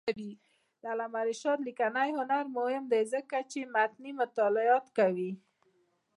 د علامه رشاد لیکنی هنر مهم دی ځکه چې متني مطالعات کوي.